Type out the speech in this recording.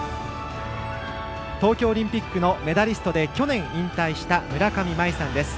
東京オリンピックのメダリストで去年、引退した村上茉愛さんです。